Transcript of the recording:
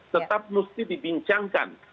tetap mesti dibincangkan